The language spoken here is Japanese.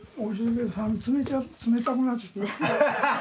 冷たくなっちゃった。